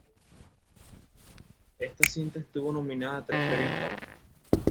Esta cinta estuvo nominada a tres premios Óscar.